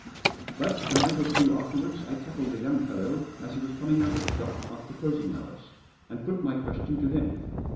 But a night or two afterwards I tackled a young fellow as he was coming out of the shop after closing hours, and put my question to him.